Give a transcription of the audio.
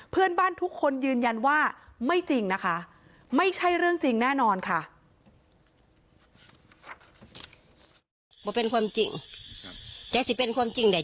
เพื่อนบ้านทุกคนยืนยันว่าไม่จริงนะคะไม่ใช่เรื่องจริงแน่นอนค่ะ